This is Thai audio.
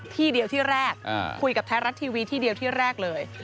ที่เดียวที่แรกคุยกับไทยรัฐทีวีที่เดียวที่แรกเลย